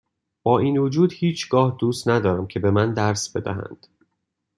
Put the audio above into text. با این وجود هیچگاه دوست ندارم که به من درس بدهند